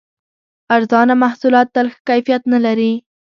ارزانه محصولات تل ښه کیفیت نه لري.